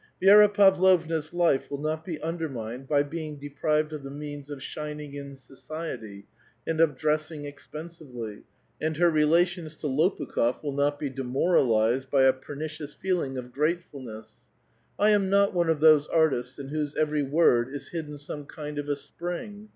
Vi6ra Pavlovna*s life will not be undermined by being deprived of the means of shining in society and of dressing expensively ; and her relations to Lopukh6f will not be demoralized by a " pernicious feeling of gratefulness." I am not one of those artists in whose every word is hidden some kind of a spring.